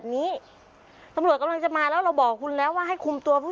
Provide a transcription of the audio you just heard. ทีนี้ไปที่วัดนิดนึงนะคะวัดประธุมภนาราม